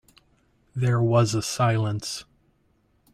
There was a silence.